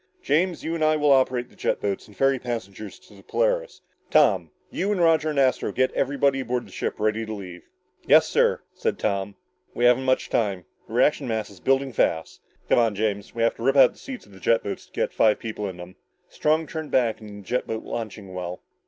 "James, you and I will operate the jet boats and ferry the passengers to the Polaris. Tom, you and Roger and Astro get everybody aboard the ship ready to leave." "Yes, sir," said Tom. "We haven't much time. The reaction mass is building fast. Come on, James, we have to rip out the seats in the jet boats to get five people in them." Strong turned back into the jet boat launching well.